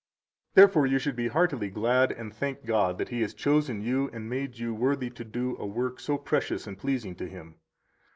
117 Therefore you should be heartily glad and thank God that He has chosen you and made you worthy to do a work so precious and pleasing to Him.